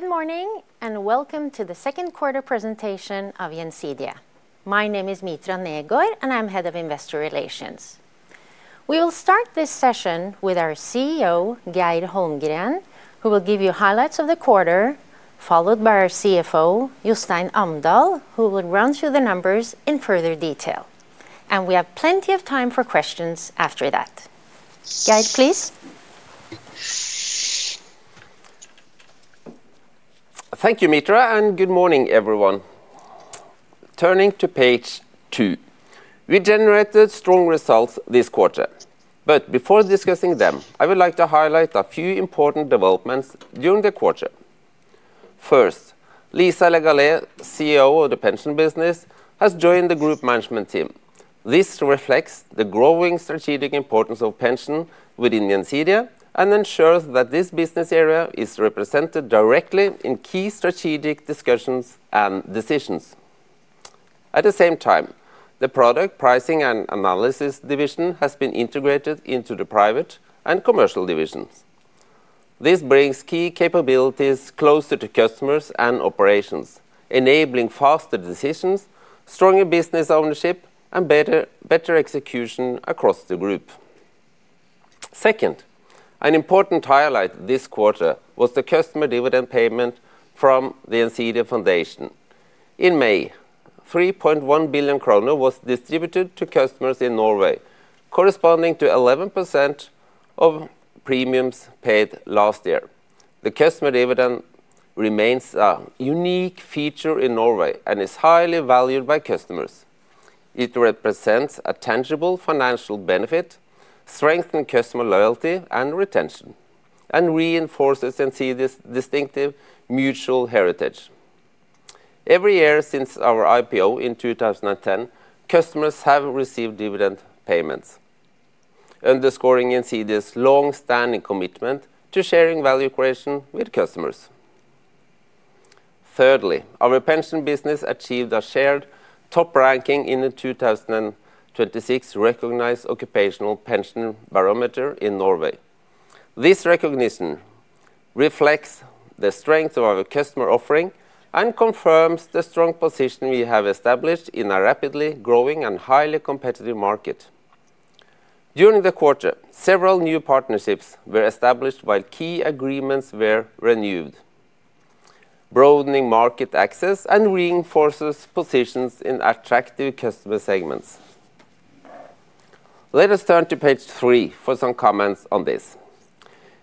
Good morning, welcome to the second quarter presentation of Gjensidige. My name is Mitra Negård, and I'm Head of Investor Relations. We will start this session with our CEO, Geir Holmgren, who will give you highlights of the quarter, followed by our CFO, Jostein Amdal, who will run through the numbers in further detail. We have plenty of time for questions after that. Geir, please. Thank you, Mitra. Good morning, everyone. Turning to page two. We generated strong results this quarter. Before discussing them, I would like to highlight a few important developments during the quarter. First, Lisa Legallais, CEO of the pension business, has joined the group management team. This reflects the growing strategic importance of pension within Gjensidige and ensures that this business area is represented directly in key strategic discussions and decisions. At the same time, the product pricing and analysis division has been integrated into the private and commercial divisions. This brings key capabilities closer to customers and operations, enabling faster decisions, stronger business ownership, and better execution across the group. Second, an important highlight this quarter was the customer dividend payment from the Gjensidige Foundation. In May, 3.1 billion kroner was distributed to customers in Norway, corresponding to 11% of premiums paid last year. The customer dividend remains a unique feature in Norway and is highly valued by customers. It represents a tangible financial benefit, strengthen customer loyalty and retention, and reinforces Gjensidige's distinctive mutual heritage. Every year since our IPO in 2010, customers have received dividend payments, underscoring Gjensidige's long-standing commitment to sharing value creation with customers. Thirdly, our pension business achieved a shared top ranking in the 2026 Corporate Pension Barometer in Norway. This recognition reflects the strength of our customer offering and confirms the strong position we have established in a rapidly growing and highly competitive market. During the quarter, several new partnerships were established. Key agreements were renewed, broadening market access and reinforces positions in attractive customer segments. Let us turn to page three for some comments on this.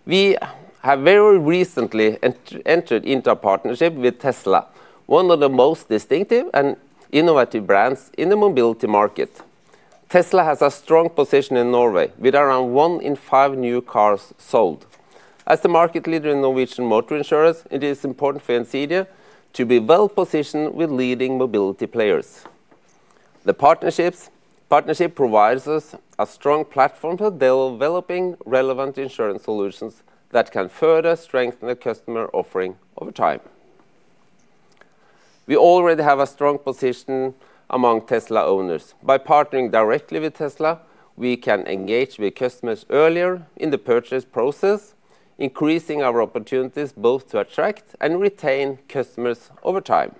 We have very recently entered into a partnership with Tesla, one of the most distinctive and innovative brands in the mobility market. Tesla has a strong position in Norway with around one in five new cars sold. As the market leader in Norwegian motor insurers, it is important for Gjensidige to be well-positioned with leading mobility players. The partnership provides us a strong platform for developing relevant insurance solutions that can further strengthen the customer offering over time. We already have a strong position among Tesla owners. By partnering directly with Tesla, we can engage with customers earlier in the purchase process, increasing our opportunities both to attract and retain customers over time.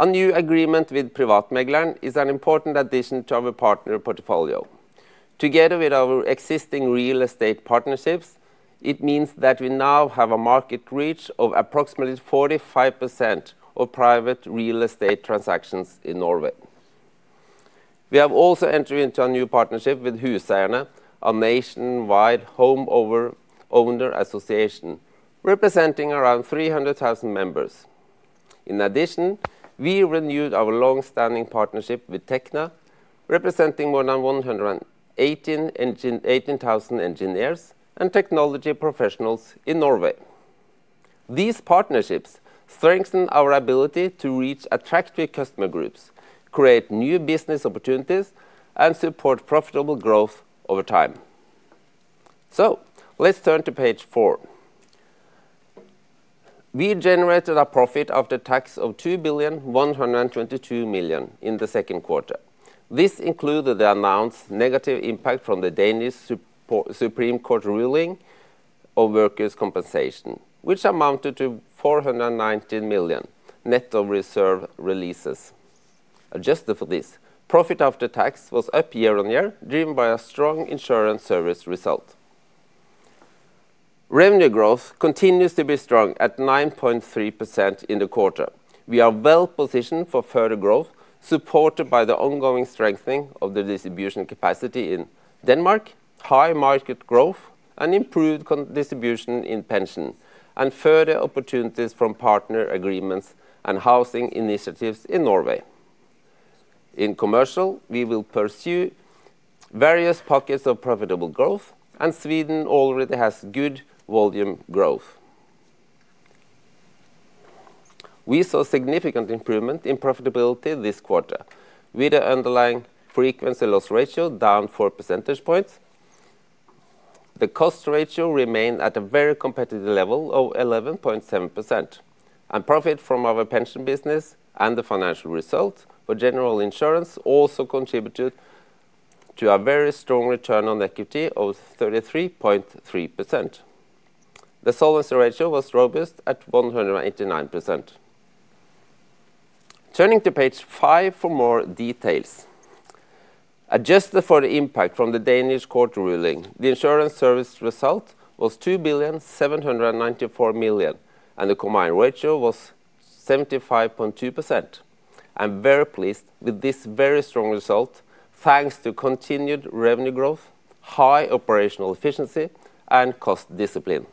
A new agreement with Privatmegleren is an important addition to our partner portfolio. Together with our existing real estate partnerships, it means that we now have a market reach of approximately 45% of private real estate transactions in Norway. We have also entered into a new partnership with Huseierne, a nationwide home owner association, representing around 300,000 members. In addition, we renewed our long-standing partnership with Tekna, representing more than 118,000 engineers and technology professionals in Norway. These partnerships strengthen our ability to reach attractive customer groups, create new business opportunities, and support profitable growth over time. Let's turn to page four. We generated a profit after tax of 2.122 billion in the second quarter. This included the announced negative impact from the Danish Supreme Court ruling of workers' compensation, which amounted to 419 million net of reserve releases. Adjusted for this, profit after tax was up year-over-year, driven by a strong insurance service result. Revenue growth continues to be strong at 9.3% in the quarter. We are well positioned for further growth, supported by the ongoing strengthening of the distribution capacity in Denmark, high market growth, and improved distribution in pension, and further opportunities from partner agreements and housing initiatives in Norway. In Commercial, we will pursue various pockets of profitable growth, and Sweden already has good volume growth. We saw significant improvement in profitability this quarter with the underlying frequency loss ratio down four percentage points. The cost ratio remained at a very competitive level of 11.7%, and profit from our pension business and the financial result for general insurance also contributed to a very strong return on equity of 33.3%. The solvency ratio was robust at 189%. Turning to page five for more details. Adjusted for the impact from the Danish court ruling, the insurance service result was 2.794 billion, and the combined ratio was 75.2%. I'm very pleased with this very strong result, thanks to continued revenue growth, high operational efficiency, and cost discipline.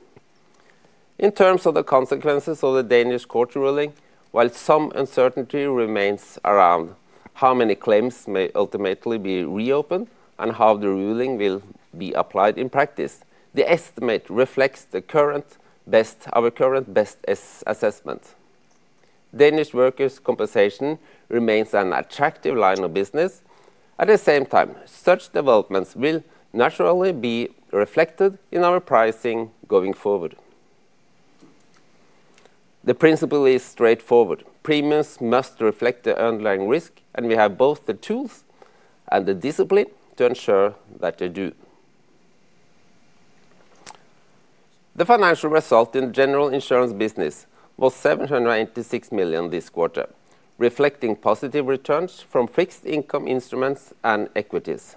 In terms of the consequences of the Danish court ruling, while some uncertainty remains around how many claims may ultimately be reopened and how the ruling will be applied in practice, the estimate reflects our current best assessment. Danish workers' compensation remains an attractive line of business. At the same time, such developments will naturally be reflected in our pricing going forward. The principle is straightforward. Premiums must reflect the underlying risk, and we have both the tools and the discipline to ensure that they do. The financial result in general insurance business was 786 million this quarter, reflecting positive returns from fixed income instruments and equities.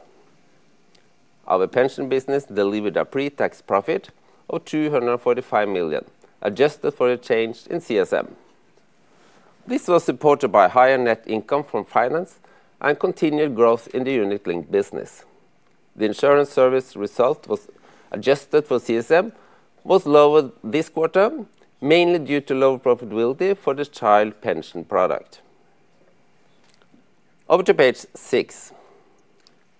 Our pension business delivered a pre-tax profit of 245 million, adjusted for a change in CSM. This was supported by higher net income from finance and continued growth in the unit-linked business. The insurance service result was adjusted for CSM was lower this quarter, mainly due to lower profitability for the child pension product. Over to page six.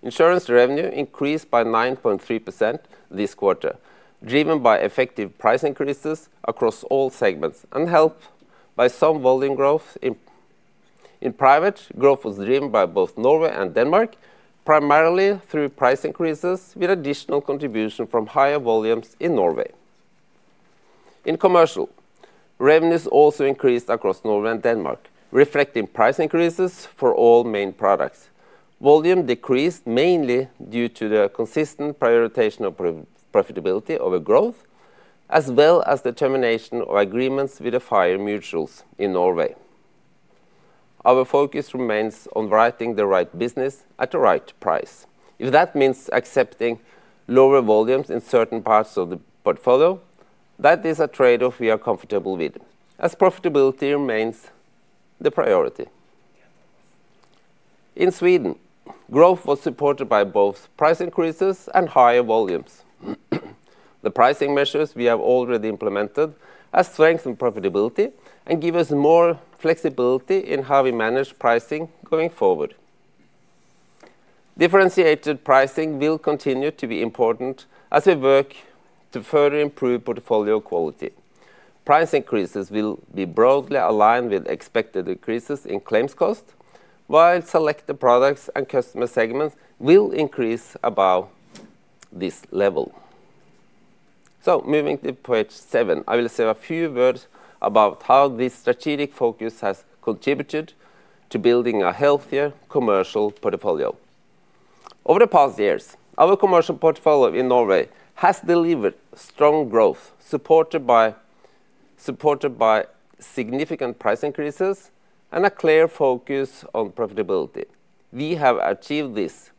Insurance revenue increased by 9.3% this quarter, driven by effective price increases across all segments and helped by some volume growth. In Private, growth was driven by both Norway and Denmark, primarily through price increases, with additional contribution from higher volumes in Norway. In Commercial, revenues also increased across Norway and Denmark, reflecting price increases for all main products. Volume decreased mainly due to the consistent prioritization of profitability over growth, as well as the termination of agreements with the fire mutuals in Norway. Our focus remains on righting the right business at the right price. If that means accepting lower volumes in certain parts of the portfolio, that is a trade-off we are comfortable with, as profitability remains the priority. In Sweden, growth was supported by both price increases and higher volumes. The pricing measures we have already implemented have strengthened profitability and give us more flexibility in how we manage pricing going forward. Differentiated pricing will continue to be important as we work to further improve portfolio quality. Price increases will be broadly aligned with expected increases in claims cost, while selected products and customer segments will increase above this level. Moving to page seven, I will say a few words about how this strategic focus has contributed to building a healthier commercial portfolio. Over the past years, our commercial portfolio in Norway has delivered strong growth, supported by significant price increases and a clear focus on profitability. We have achieved this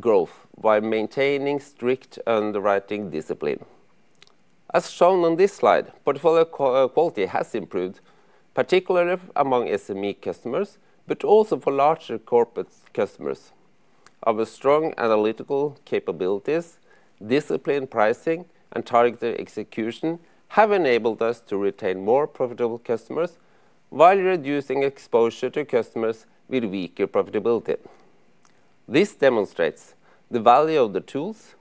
growth while maintaining strict underwriting discipline. As shown on this slide, portfolio quality has improved, particularly among SME customers, but also for larger corporate customers. Our strong analytical capabilities, disciplined pricing, and targeted execution have enabled us to retain more profitable customers while reducing exposure to customers with weaker profitability. This demonstrates the value of the tools,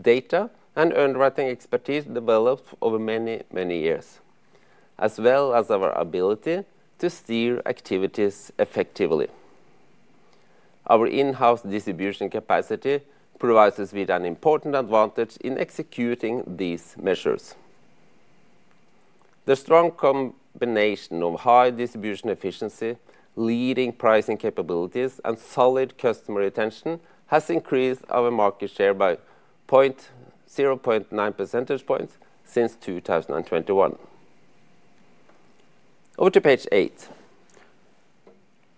data, and underwriting expertise developed over many years, as well as our ability to steer activities effectively. Our in-house distribution capacity provides us with an important advantage in executing these measures. The strong combination of high distribution efficiency, leading pricing capabilities, and solid customer retention has increased our market share by 0.9 percentage points since 2021. Over to page eight.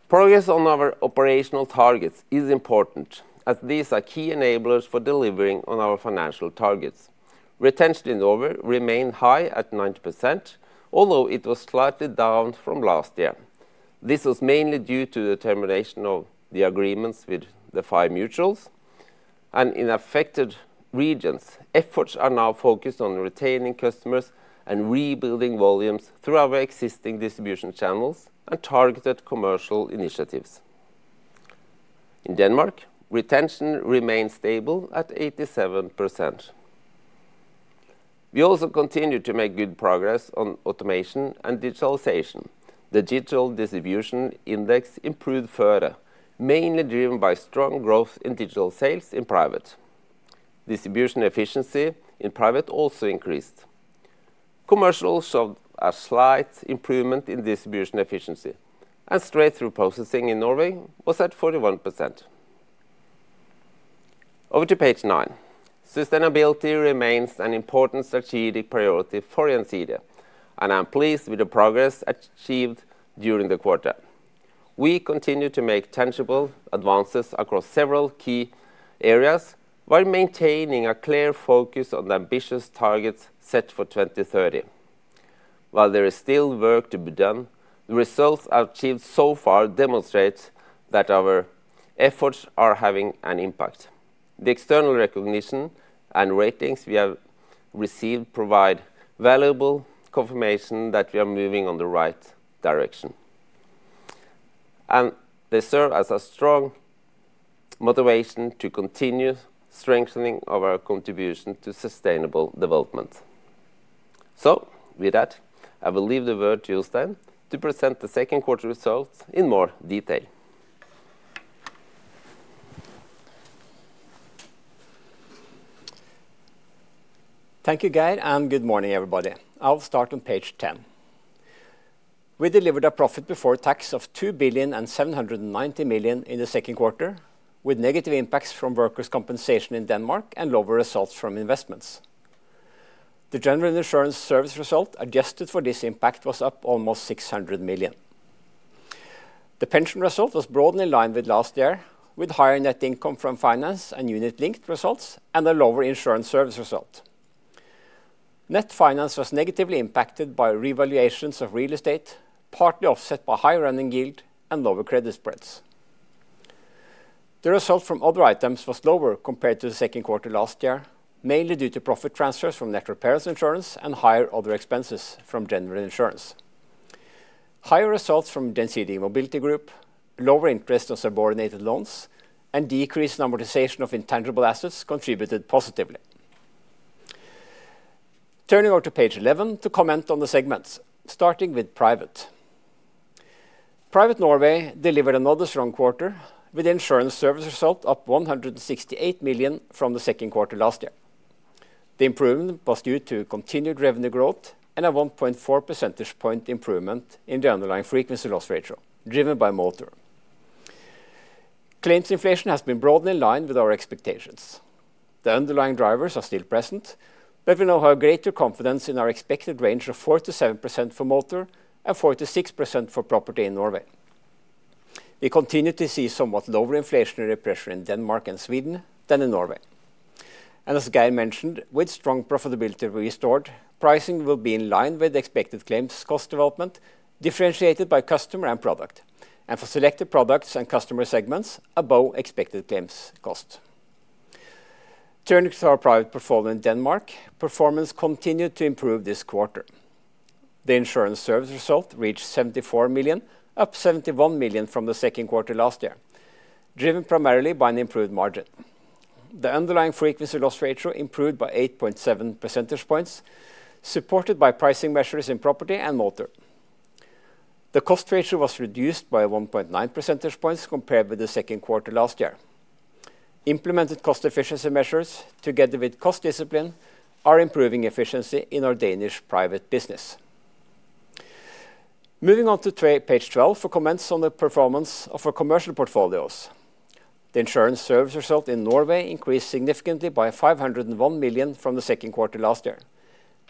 Progress on our operational targets is important, as these are key enablers for delivering on our financial targets. Retention in Norway remained high at 90%, although it was slightly down from last year. This was mainly due to the termination of the agreements with the fire mutuals. In affected regions, efforts are now focused on retaining customers and rebuilding volumes through our existing distribution channels and targeted commercial initiatives. In Denmark, retention remained stable at 87%. We also continue to make good progress on automation and digitalization. The digital distribution index improved further, mainly driven by strong growth in digital sales in Private. Distribution efficiency in Private also increased. Commercial showed a slight improvement in distribution efficiency, and straight-through processing in Norway was at 41%. Over to page nine. Sustainability remains an important strategic priority for Gjensidige, and I'm pleased with the progress achieved during the quarter. We continue to make tangible advances across several key areas while maintaining a clear focus on the ambitious targets set for 2030. While there is still work to be done, the results achieved so far demonstrate that our efforts are having an impact. The external recognition and ratings we have received provide valuable confirmation that we are moving on the right direction, and they serve as a strong motivation to continue strengthening our contribution to sustainable development. With that, I will leave the word to Jostein to present the second quarter results in more detail. Thank you, Geir, and good morning, everybody. I'll start on page 10. We delivered a profit before tax of 2,790 million in the second quarter, with negative impacts from workers' compensation in Denmark and lower results from investments. The general insurance service result, adjusted for this impact, was up almost 600 million. The pension result was broadly in line with last year, with higher net income from finance and unit-linked results and a lower insurance service result. Net finance was negatively impacted by revaluations of real estate, partly offset by higher earning yield and lower credit spreads. The result from other items was lower compared to the second quarter last year, mainly due to profit transfers from net repairs insurance and higher other expenses from general insurance. Higher results from Gjensidige Mobility Group, lower interest on subordinated loans, and decreased amortization of intangible assets contributed positively. Turning over to page 11 to comment on the segments, starting with private. Private Norway delivered another strong quarter with insurance service result up 168 million from the second quarter last year. The improvement was due to continued revenue growth and a 1.4 percentage point improvement in the underlying frequency loss ratio, driven by motor. Claims inflation has been broadly in line with our expectations. The underlying drivers are still present, but we now have greater confidence in our expected range of 47% for motor and 46% for property in Norway. We continue to see somewhat lower inflationary pressure in Denmark and Sweden than in Norway. As Geir mentioned, with strong profitability restored, pricing will be in line with the expected claims cost development, differentiated by customer and product, and for selected products and customer segments above expected claims cost. Turning to our private portfolio in Denmark, performance continued to improve this quarter. The insurance service result reached 74 million, up 71 million from the second quarter last year, driven primarily by an improved margin. The underlying frequency loss ratio improved by 8.7 percentage points, supported by pricing measures in property and motor. The cost ratio was reduced by 1.9 percentage points compared with the second quarter last year. Implemented cost efficiency measures together with cost discipline are improving efficiency in our Danish private business. Moving on to page 12 for comments on the performance of our commercial portfolios. The insurance service result in Norway increased significantly by 501 million from the second quarter last year,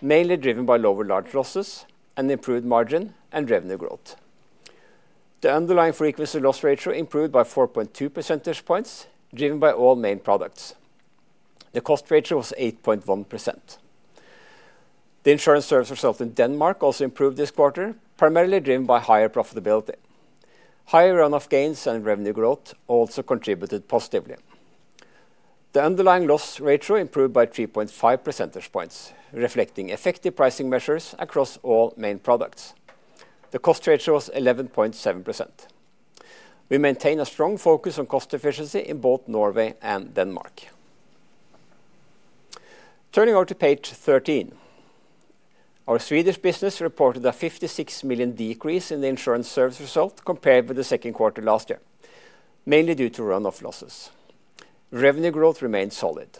mainly driven by lower large losses and improved margin and revenue growth. The underlying frequency loss ratio improved by 4.2 percentage points, driven by all main products. The cost ratio was 8.1%. The insurance service result in Denmark also improved this quarter, primarily driven by higher profitability. Higher run-off gains and revenue growth also contributed positively. The underlying loss ratio improved by 3.5 percentage points, reflecting effective pricing measures across all main products. The cost ratio was 11.7%. We maintain a strong focus on cost efficiency in both Norway and Denmark. Turning over to page 13. Our Swedish business reported a 56 million decrease in the insurance service result compared with the second quarter last year, mainly due to run-off losses. Revenue growth remained solid.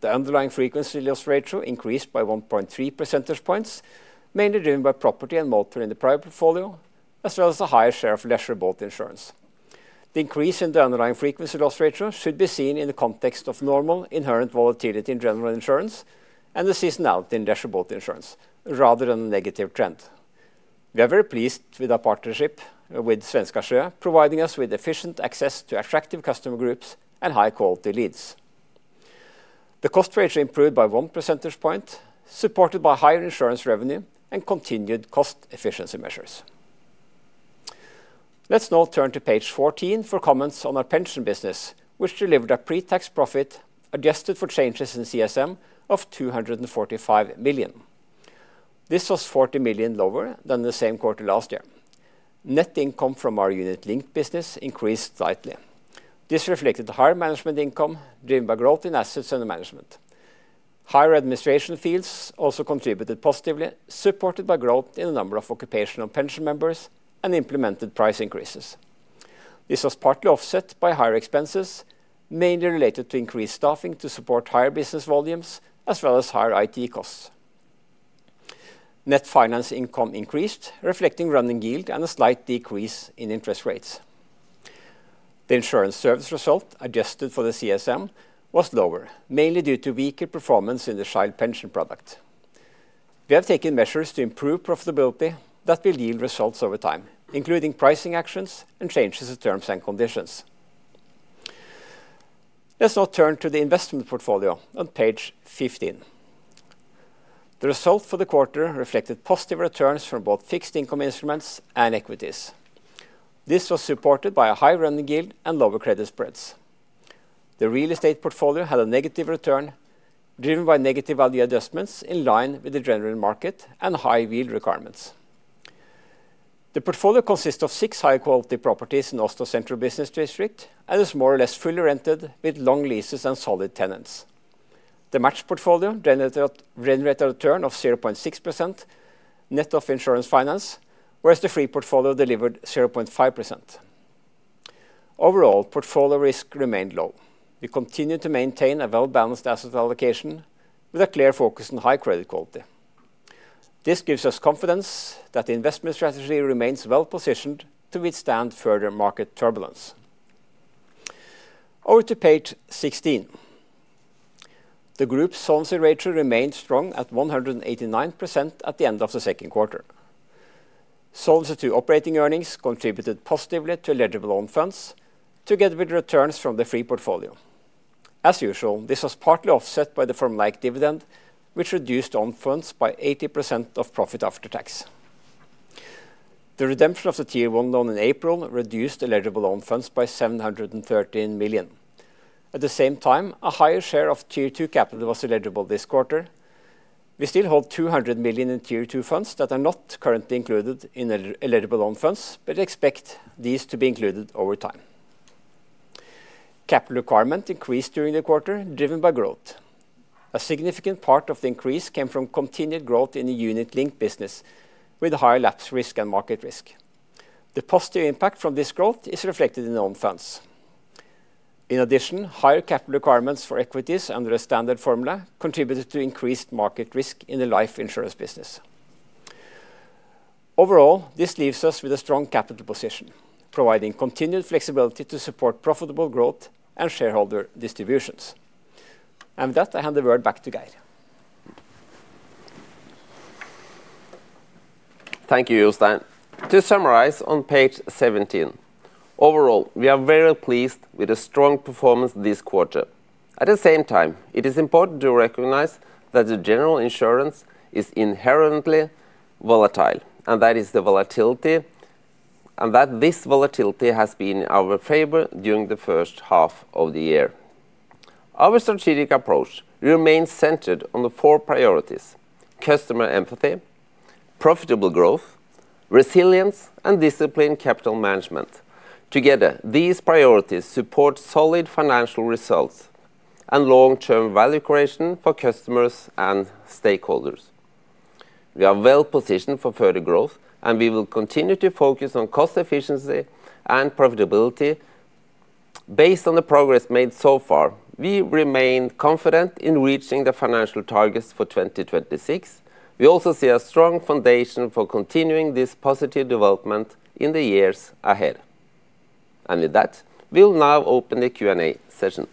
The underlying frequency loss ratio increased by 1.3 percentage points, mainly driven by property and motor in the private portfolio, as well as the higher share of leisure boat insurance. The increase in the underlying frequency loss ratio should be seen in the context of normal inherent volatility in general insurance and the seasonality in leisure boat insurance rather than a negative trend. We are very pleased with our partnership with Svenska Sjö, providing us with efficient access to attractive customer groups and high-quality leads. The cost ratio improved by one percentage point, supported by higher insurance revenue and continued cost efficiency measures. Let's now turn to page 14 for comments on our pension business, which delivered a pre-tax profit, adjusted for changes in CSM, of 245 million. This was 40 million lower than the same quarter last year. Net income from our unit-linked business increased slightly. This reflected the higher management income driven by growth in assets under management. Higher administration fees also contributed positively, supported by growth in the number of occupational pension members and implemented price increases. This was partly offset by higher expenses, mainly related to increased staffing to support higher business volumes, as well as higher IT costs. Net finance income increased, reflecting running yield and a slight decrease in interest rates. The insurance service result, adjusted for the CSM, was lower, mainly due to weaker performance in the child pension product. We have taken measures to improve profitability that will yield results over time, including pricing actions and changes to terms and conditions. Let's now turn to the investment portfolio on page 15. The result for the quarter reflected positive returns from both fixed income instruments and equities. This was supported by a high running yield and lower credit spreads. The real estate portfolio had a negative return, driven by negative value adjustments in line with the general market and high yield requirements. The portfolio consists of six high-quality properties in Oslo's central business district, and is more or less fully rented with long leases and solid tenants. The matched portfolio generated a return of 0.6%, net of insurance finance, whereas the free portfolio delivered 0.5%. Overall, portfolio risk remained low. We continue to maintain a well-balanced asset allocation with a clear focus on high credit quality. This gives us confidence that the investment strategy remains well-positioned to withstand further market turbulence. Over to page 16. The group solvency ratio remained strong at 189% at the end of the second quarter. Solvency to operating earnings contributed positively to eligible own funds, together with returns from the free portfolio. As usual, this was partly offset by the firm like dividend, which reduced own funds by 80% of profit after tax. The redemption of the Tier 1 loan in April reduced eligible own funds by 713 million. At the same time, a higher share of Tier 2 capital was eligible this quarter. We still hold 200 million in Tier 2 funds that are not currently included in eligible own funds, but expect these to be included over time. Capital requirement increased during the quarter, driven by growth. A significant part of the increase came from continued growth in the unit-linked business, with higher lapse risk and market risk. The positive impact from this growth is reflected in own funds. In addition, higher capital requirements for equities under a standard formula contributed to increased market risk in the life insurance business. Overall, this leaves us with a strong capital position, providing continued flexibility to support profitable growth and shareholder distributions. With that, I hand the word back to Geir. Thank you, Jostein. To summarize on page 17, overall, we are very pleased with the strong performance this quarter. At the same time, it is important to recognize that the general insurance is inherently volatile, and that this volatility has been in our favor during the first half of the year. Our strategic approach remains centered on the four priorities: customer empathy, profitable growth, resilience, and disciplined capital management. Together, these priorities support solid financial results and long-term value creation for customers and stakeholders. We are well-positioned for further growth, and we will continue to focus on cost efficiency and profitability. Based on the progress made so far, we remain confident in reaching the financial targets for 2026. We also see a strong foundation for continuing this positive development in the years ahead. With that, we'll now open the Q&A session.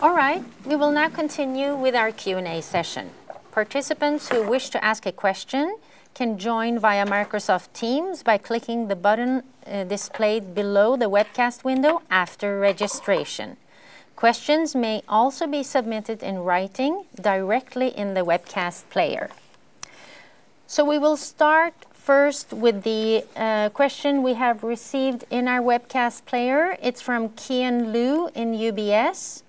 All right. We will now continue with our Q&A session. Participants who wish to ask a question can join via Microsoft Teams by clicking the button displayed below the webcast window after registration. Questions may also be submitted in writing directly in the webcast player. We will start first with the question we have received in our webcast player. It's from Qian Lu in UBS.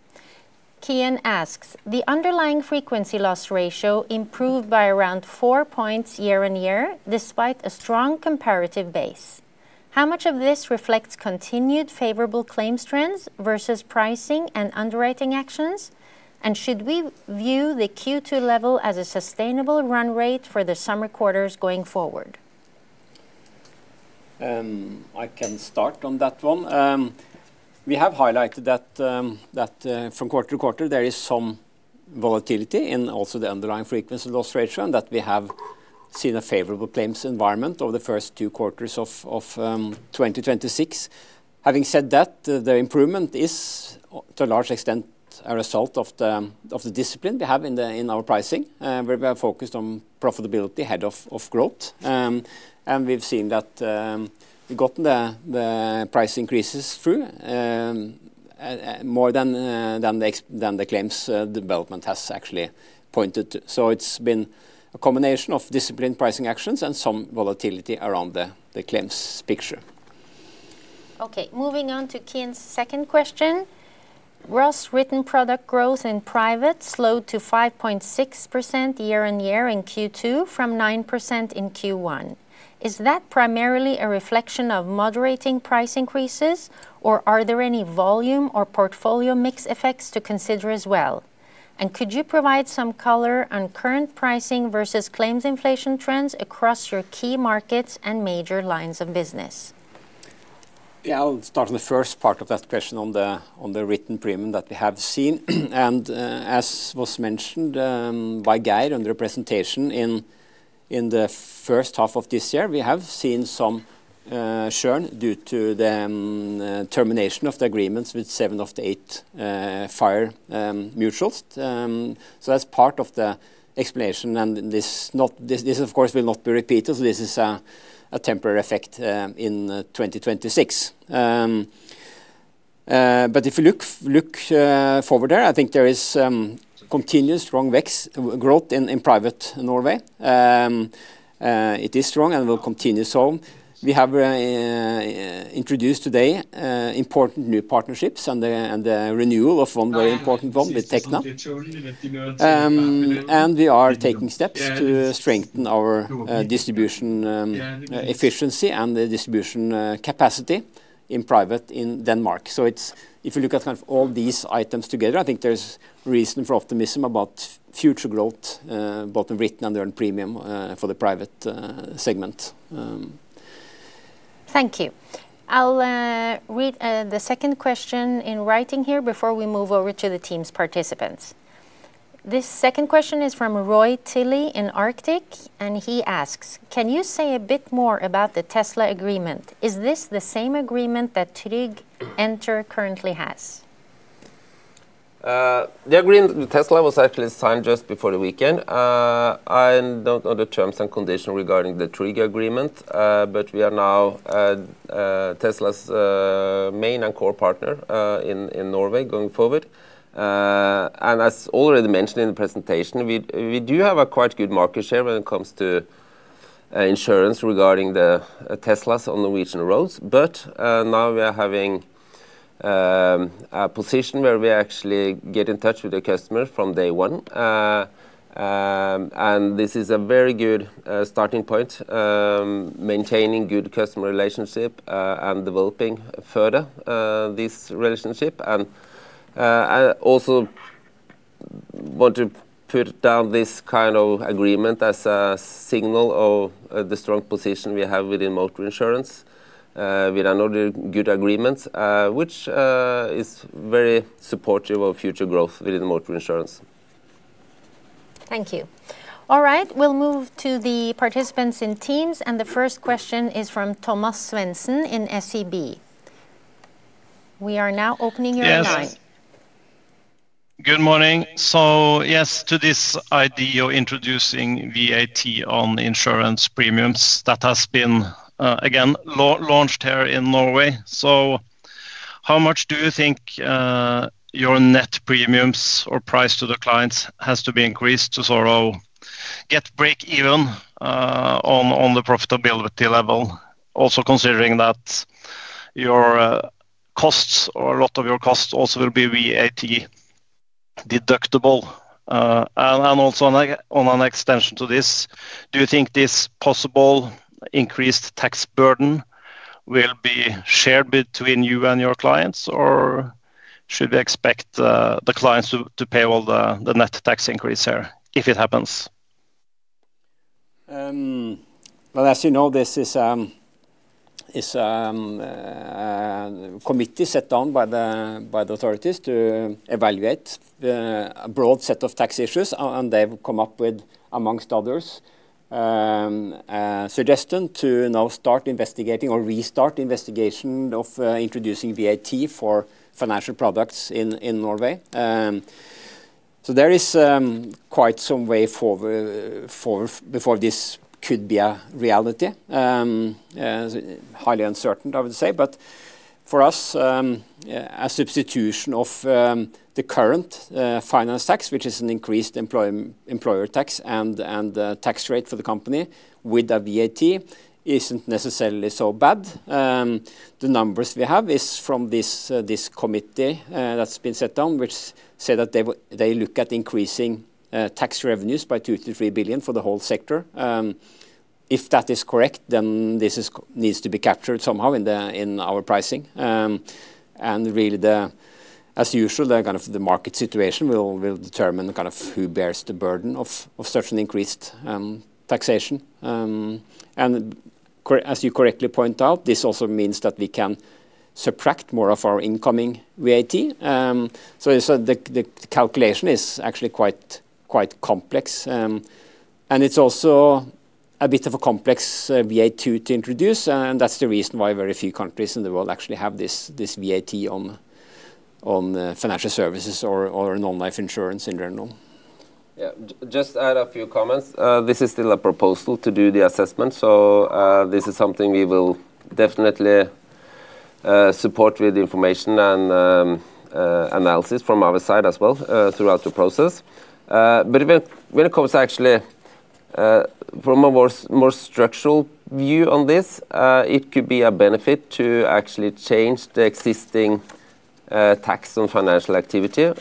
Qian asks, "The underlying frequency loss ratio improved by around four points year-on-year, despite a strong comparative base. How much of this reflects continued favorable claims trends versus pricing and underwriting actions? Should we view the Q2 level as a sustainable run rate for the summer quarters going forward? I can start on that one. We have highlighted that from quarter to quarter, there is some volatility in also the underlying frequency loss ratio, and that we have seen a favorable claims environment over the first two quarters of 2026. Having said that, the improvement is, to a large extent, a result of the discipline we have in our pricing, where we are focused on profitability ahead of growth. We've seen that we've gotten the price increases through, more than the claims development has actually pointed to. It's been a combination of disciplined pricing actions and some volatility around the claims picture. Okay, moving on to Qian's second question. Gross written product growth in private slowed to 5.6% year-on-year in Q2 from 9% in Q1. Is that primarily a reflection of moderating price increases, or are there any volume or portfolio mix effects to consider as well? Could you provide some color on current pricing versus claims inflation trends across your key markets and major lines of business? Yeah. I'll start on the first part of that question on the written premium that we have seen. As was mentioned by Geir under representation in the first half of this year, we have seen some churn due to the termination of the agreements with seven of the eight fire mutuals. That's part of the explanation, and this, of course, will not be repeated. This is a temporary effect in 2026. If you look forward there, I think there is continuous strong VEX growth in private Norway. It is strong and will continue so. We have introduced today important new partnerships and the renewal of one very important one with Tekna. We are taking steps to strengthen our distribution efficiency and the distribution capacity in private in Denmark. If you look at all these items together, I think there's reason for optimism about future growth, both in written and earned premium for the private segment. Thank you. I'll read the second question in writing here before we move over to the Teams participants. This second question is from Roy Tilley in Arctic, and he asks, "Can you say a bit more about the Tesla agreement? Is this the same agreement that Tryg Enter currently has? The agreement with Tesla was actually signed just before the weekend. I don't know the terms and conditions regarding the Tryg agreement, but we are now Tesla's main and core partner in Norway going forward. As already mentioned in the presentation, we do have a quite good market share when it comes to insurance regarding the Teslas on Norwegian roads. Now we are having a position where we actually get in touch with the customer from day one. This is a very good starting point, maintaining good customer relationship, and developing further this relationship. I also want to put down this kind of agreement as a signal of the strong position we have within motor insurance. We run only good agreements, which is very supportive of future growth within motor insurance. Thank you. All right, we'll move to the participants in Teams. The first question is from Thomas Svendsen in SEB. We are now opening your line. Yes. Good morning. Yes, to this idea of introducing VAT on insurance premiums that has been, again, launched here in Norway. How much do you think your net premiums or price to the clients has to be increased to sort of get break even on the profitability level? Also, considering that your costs or a lot of your costs also will be VAT deductible. Also on an extension to this, do you think this possible increased tax burden will be shared between you and your clients, or should we expect the clients to pay all the net tax increase here if it happens? As you know, this is a committee set down by the authorities to evaluate a broad set of tax issues. They've come up with, amongst others, a suggestion to now start investigating or restart investigation of introducing VAT for financial products in Norway. There is quite some way before this could be a reality. Highly uncertain, I would say. For us, a substitution of the current finance tax, which is an increased employer tax and tax rate for the company with a VAT, isn't necessarily so bad. The numbers we have is from this committee that's been set down, which say that they look at increasing tax revenues by 2 billion-3 billion for the whole sector. If that is correct, this needs to be captured somehow in our pricing. Really, as usual, the market situation will determine who bears the burden of such an increased taxation. As you correctly point out, this also means that we can subtract more of our incoming VAT. The calculation is actually quite complex. It's also a bit of a complex VAT to introduce, that's the reason why very few countries in the world actually have this VAT on financial services or non-life insurance in general. Yeah. Just add a few comments. This is still a proposal to do the assessment, this is something we will definitely support with information and analysis from our side as well throughout the process. When it comes actually from a more structural view on this, it could be a benefit to actually change the existing Tax on financial activity,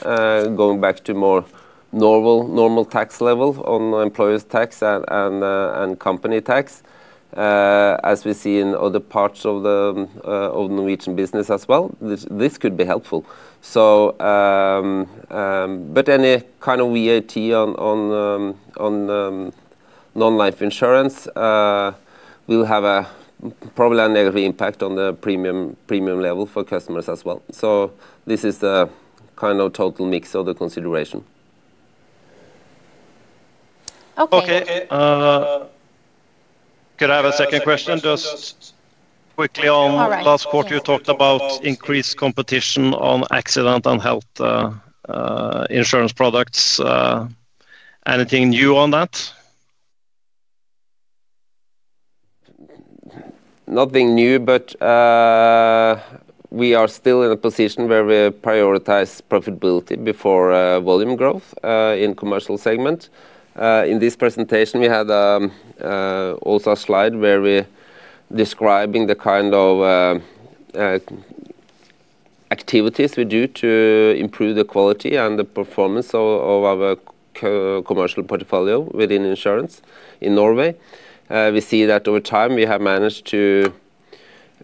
going back to more normal tax level on employers' tax and company tax, as we see in other parts of Norwegian business as well. This could be helpful. Any kind of VAT on non-life insurance will have probably a negative impact on the premium level for customers as well. This is the total mix of the consideration. Okay. Okay. Could I have a second question, just quickly on. All right. Last quarter you talked about increased competition on accident and health insurance products. Anything new on that? Nothing new. We are still in a position where we prioritize profitability before volume growth in commercial segment. In this presentation, we had also a slide where we're describing the kind of activities we do to improve the quality and the performance of our commercial portfolio within insurance in Norway. We see that over time, we have managed to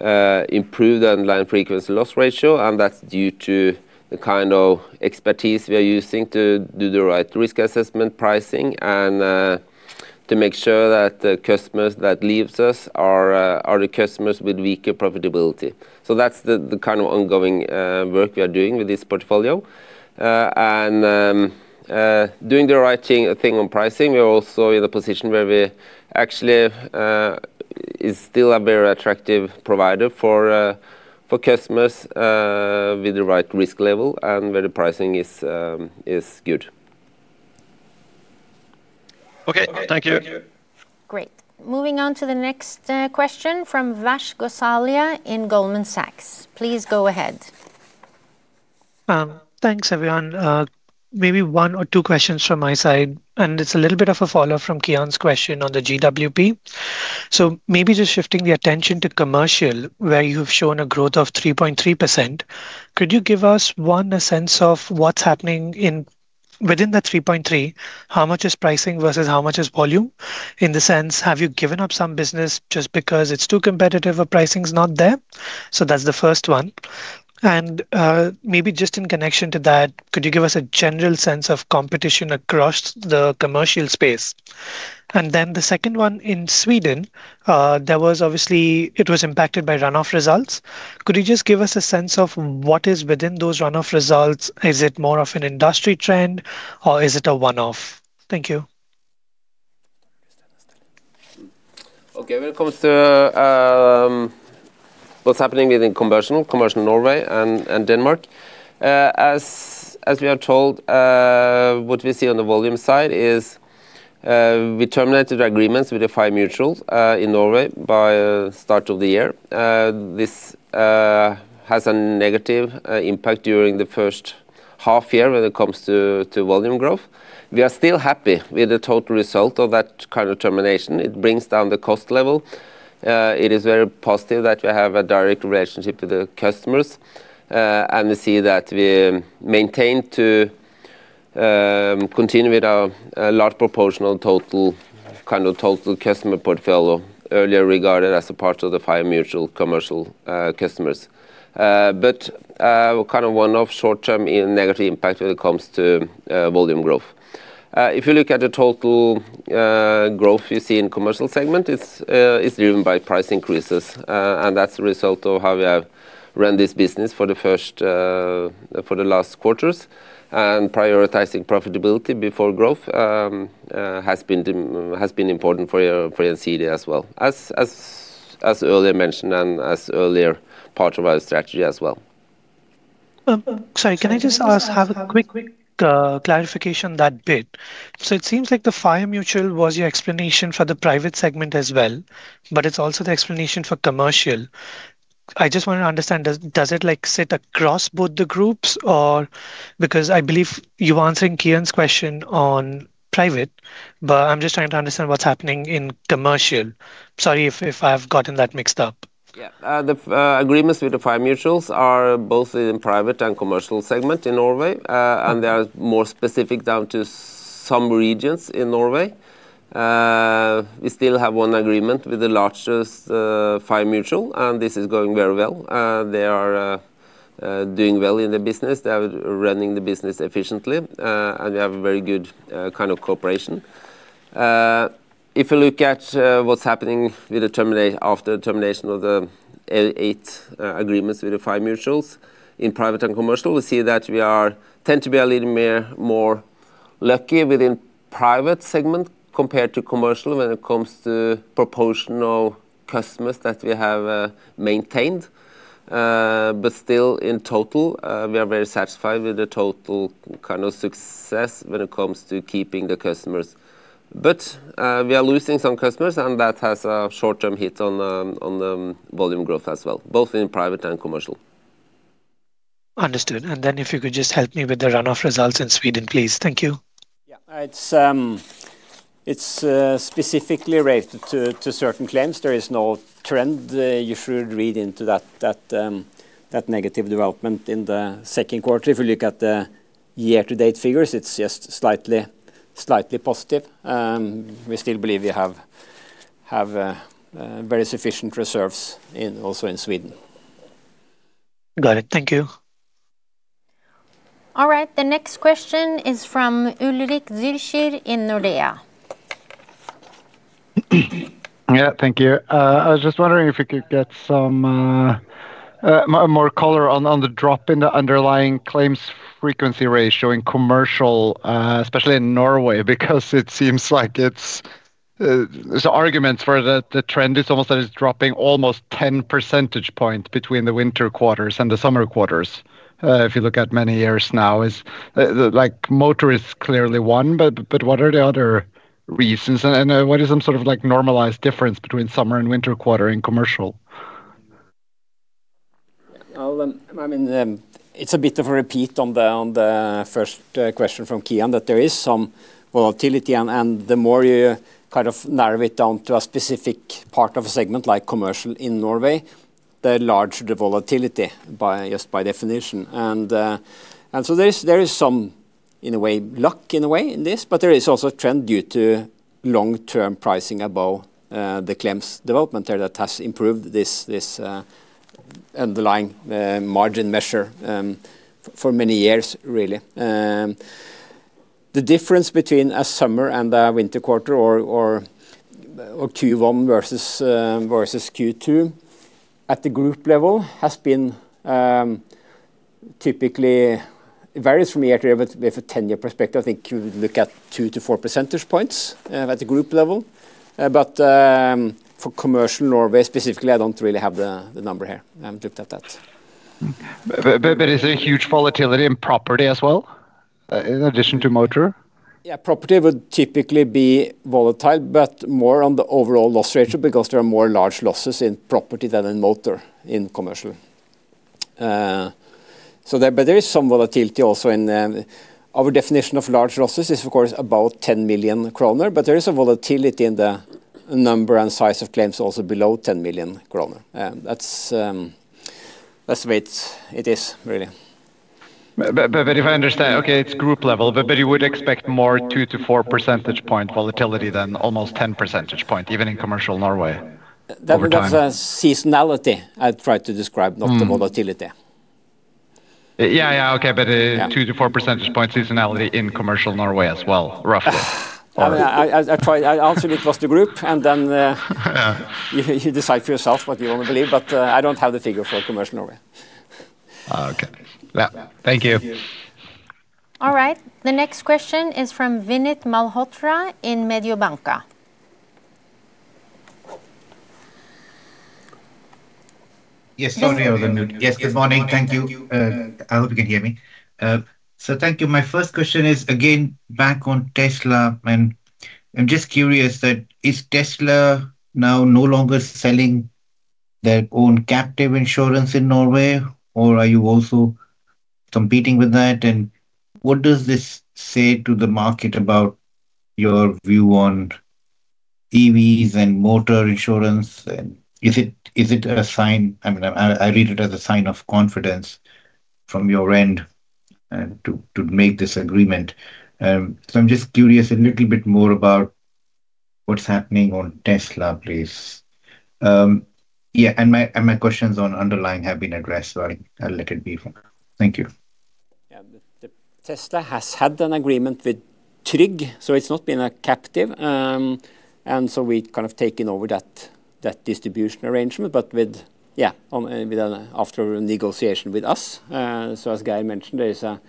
improve the underlying frequency loss ratio, and that's due to the kind of expertise we are using to do the right risk assessment pricing, and to make sure that the customers that leaves us are the customers with weaker profitability. That's the kind of ongoing work we are doing with this portfolio. Doing the right thing on pricing, we are also in a position where we actually is still a very attractive provider for customers with the right risk level and where the pricing is good. Okay. Thank you. Great. Moving on to the next question from Vash Gosalia in Goldman Sachs. Please go ahead. Thanks, everyone. Maybe one or two questions from my side. It's a little bit of a follow from Qian's question on the GWP. Maybe just shifting the attention to commercial, where you've shown a growth of 3.3%. Could you give us, one, a sense of what's happening within that 3.3, how much is pricing versus how much is volume? In the sense, have you given up some business just because it's too competitive or pricing's not there? That's the first one. Maybe just in connection to that, could you give us a general sense of competition across the commercial space? Then the second one in Sweden, obviously it was impacted by runoff results. Could you just give us a sense of what is within those runoff results? Is it more of an industry trend or is it a one-off? Thank you. Okay. When it comes to what is happening within commercial Norway and Denmark, as we have told, what we see on the volume side is we terminated agreements with the fire mutuals in Norway by start of the year. This has a negative impact during the first half year when it comes to volume growth. We are still happy with the total result of that kind of termination. It brings down the cost level. It is very positive that we have a direct relationship with the customers, and we see that we maintain to continue with a large proportional total customer portfolio, earlier regarded as a part of the fire mutual commercial customers. One-off short term negative impact when it comes to volume growth. If you look at the total growth you see in commercial segment, it is driven by price increases, and that is a result of how we have run this business for the last quarters. Prioritizing profitability before growth has been important for Gjensidige as well, as earlier mentioned, and as earlier part of our strategy as well. Sorry, can I just ask a quick clarification that bit? It seems like the fire mutual was your explanation for the private segment as well, but it is also the explanation for commercial. I just want to understand, does it sit across both the groups or I believe you are answering Qian's question on private, but I am just trying to understand what is happening in commercial. Sorry if I have gotten that mixed up. Yeah. The agreements with the fire mutuals are both in private and commercial segment in Norway, and they are more specific down to some regions in Norway. We still have one agreement with the largest fire mutual, and this is going very well. They are doing well in the business. They are running the business efficiently, and we have a very good cooperation. If you look at what is happening after the termination of the eight agreements with the fire mutuals in private and commercial, we see that we tend to be a little more lucky within private segment compared to commercial when it comes to proportional customers that we have maintained. Still, in total, we are very satisfied with the total success when it comes to keeping the customers. We are losing some customers, and that has a short-term hit on volume growth as well, both in private and commercial. Understood. Then if you could just help me with the runoff results in Sweden, please. Thank you. It's specifically related to certain claims. There is no trend you should read into that negative development in the second quarter. If you look at the year-to-date figures, it's just slightly positive. We still believe we have very sufficient reserves also in Sweden. Got it. Thank you. All right. The next question is from Ulrik Zürcher in Nordea. Yeah, thank you. I was just wondering if we could get some more color on the drop in the underlying claims frequency ratio in commercial, especially in Norway, it seems like there's arguments for the trend is almost that it's dropping almost 10 percentage points between the winter quarters and the summer quarters. If you look at many years now is, motor is clearly one, but what are the other reasons? What is some sort of normalized difference between summer and winter quarter in commercial? Well, it's a bit of a repeat on the first question from Qian, that there is some volatility and the more you kind of narrow it down to a specific part of a segment like commercial in Norway, the larger the volatility just by definition. There is some, in a way, luck in a way in this, but there is also a trend due to long-term pricing above the claims development there that has improved this underlying margin measure for many years, really. The difference between a summer and a winter quarter or Q1 versus Q2 at the group level has been typically, it varies from year to year, but with a 10-year perspective, I think you would look at two to four percentage points at the group level. For commercial Norway specifically, I don't really have the number here. I haven't looked at that. Is there a huge volatility in property as well, in addition to motor? Yeah, property would typically be volatile, but more on the overall loss ratio because there are more large losses in property than in motor in commercial. There is some volatility also in our definition of large losses is, of course, above 10 million kroner, but there is a volatility in the number and size of claims also below 10 million kroner. That's the way it is really. If I understand, okay, it's group level, but you would expect more 2-4 percentage point volatility than almost 10 percentage point, even in commercial Norway over time. That was a seasonality I tried to describ, not the volatility. Yeah. Okay. 2-4 percentage point seasonality in commercial Norway as well, roughly. I'll tell you it was the group. You decide for yourself what you want to believe, but I don't have the figure for commercial Norway. Okay. Yeah. Thank you. All right. The next question is from Vinit Malhotra in Mediobanca. Yes. Sorry, I was on mute. Yes, good morning. Thank you. I hope you can hear me. Thank you. My first question is, again, back on Tesla, I'm just curious that is Tesla now no longer selling their own captive insurance in Norway, or are you also competing with that? What does this say to the market about your view on EVs and motor insurance? Is it a sign I read it as a sign of confidence from your end to make this agreement. I'm just curious a little more about what's happening on Tesla, please. Yeah. My questions on underlying have been addressed, so I'll let it be for now. Thank you. Yeah. Tesla has had an agreement with Tryg, so it's not been a captive. We'd kind of taken over that distribution arrangement, but with, yeah, after a negotiation with us. As Geir mentioned, there is a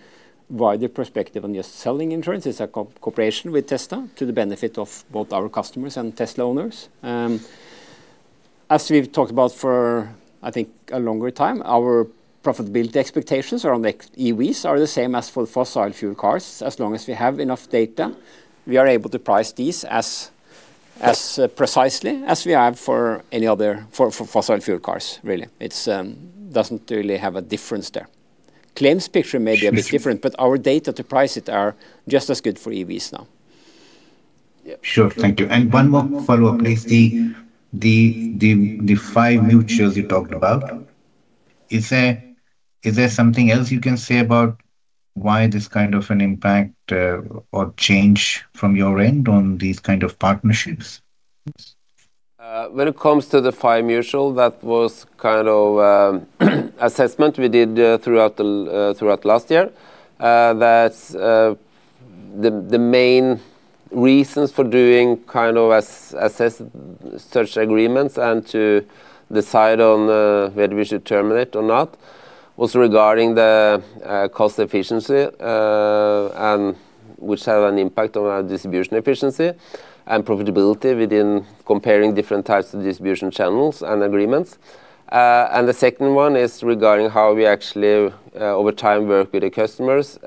wider perspective on just selling insurance. It's a cooperation with Tesla to the benefit of both our customers and Tesla owners. We've talked about for, I think, a longer time, our profitability expectations around the EVs are the same as for fossil fuel cars. As long as we have enough data, we are able to price these as precisely as we have for any other fossil fuel cars, really. It doesn't really have a difference there. Claims differ maybe a bit different, but our data to price it are just as good for EVs now. Sure. Thank you. One more follow-up, please. The fire mutuals you talked about, is there something else you can say about why this kind of an impact or change from your end on these kind of partnerships? When it comes to the fire mutuals, that was kind of assessment we did throughout last year. The main reasons for doing kind of such agreements and to decide on whether we should terminate or not was regarding the cost efficiency, which have an impact on our distribution efficiency and profitability within comparing different types of distribution channels and agreements. The second one is regarding how we actually, over time, work with the customers.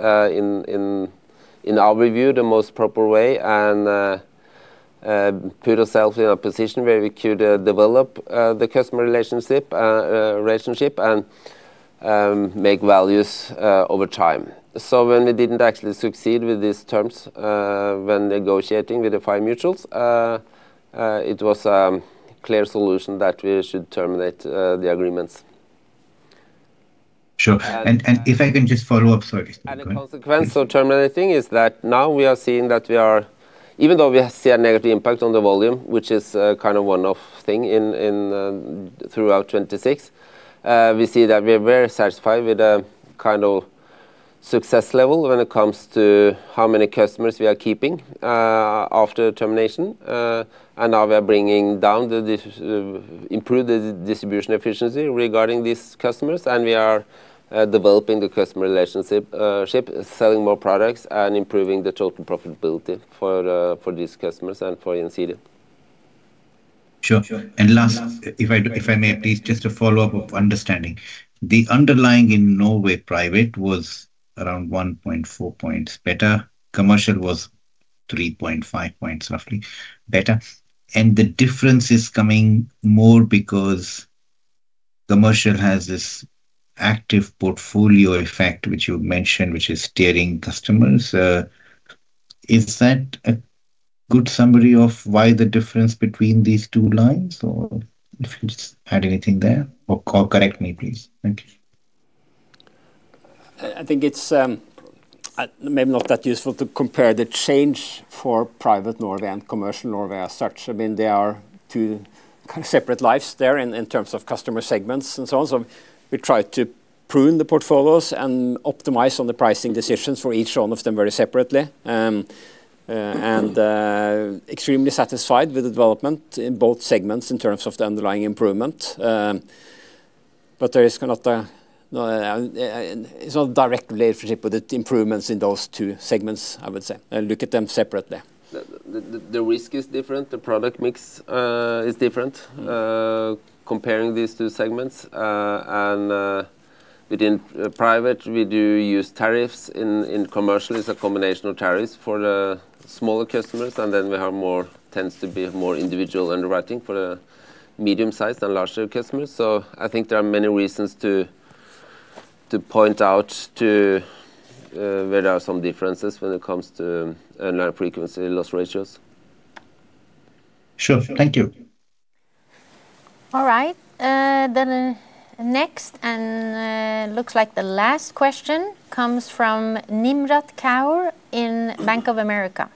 In our view, the most proper way and put ourselves in a position where we could develop the customer relationship and make values over time. When we didn't actually succeed with these terms when negotiating with the fire mutuals, it was a clear solution that we should terminate the agreements. Sure. If I can just follow up. Sorry, go on. A consequence of terminating is that now we are seeing that even though we see a negative impact on the volume, which is a one-off thing throughout 2026, we see that we are very satisfied with the success level when it comes to how many customers we are keeping after termination. Now we are bringing down, improve the distribution efficiency regarding these customers, and we are developing the customer relationship, selling more products, and improving the total profitability for these customers and for Gjensidige. Sure. Last, if I may please, just a follow-up of understanding. The underlying in Norway private was around 1.4 points better. Commercial was 3.5 points roughly better. The difference is coming more because commercial has this active portfolio effect, which you mentioned, which is steering customers. Is that a good summary of why the difference between these two lines? Or if you just add anything there, or correct me, please. Thank you. I think it's maybe not that useful to compare the change for private Norway and commercial Norway as such. They are two separate lives there in terms of customer segments and so on. We try to prune the portfolios and optimize on the pricing decisions for each one of them very separately. Extremely satisfied with the development in both segments in terms of the underlying improvement. It's not a direct relationship with the improvements in those two segments, I would say. I look at them separately. The risk is different. The product mix is different comparing these two segments. Within private, we do use tariffs. In commercial, it's a combination of tariffs for the smaller customers, and then we have more, tends to be more individual underwriting for the medium-sized and larger customers. I think there are many reasons to point out where there are some differences when it comes to annual frequency loss ratios. Sure. Thank you. All right. Next, looks like the last question comes from Nimrat Kaur in Bank of America.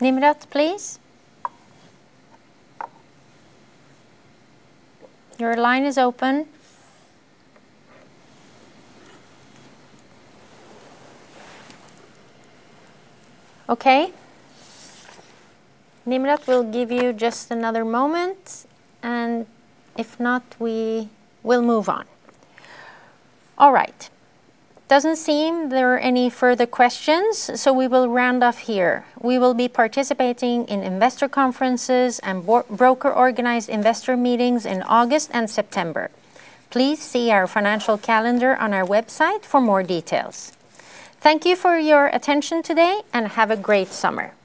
Nimrat, please. Your line is open. Okay. Nimrat, we'll give you just another moment, and if not, we will move on. All right. Doesn't seem there are any further questions, we will round off here. We will be participating in investor conferences and broker-organized investor meetings in August and September. Please see our financial calendar on our website for more details. Thank you for your attention today, and have a great summer. Thank you.